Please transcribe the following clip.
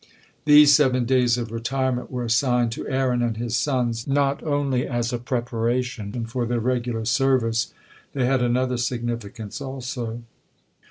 These seven days of retirement were assigned to Aaron and his sons not only as a preparation for their regular service, they had another significance also.